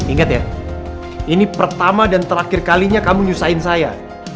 ingat ya ini pertama dan terakhir kalinya kamu nyusahin saya